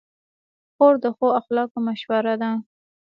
خور د ښو اخلاقو مشهوره ده.